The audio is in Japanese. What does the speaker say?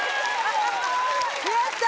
やった！